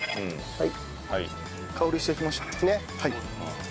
はい。